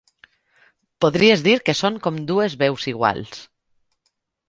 Podries dir que són com dues veus iguals.